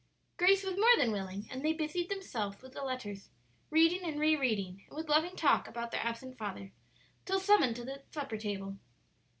Grace was more than willing, and they busied themselves with the letters, reading and rereading, and with loving talk about their absent father, till summoned to the supper table.